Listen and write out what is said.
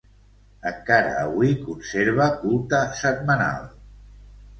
Encara avui conserva culte setmanal.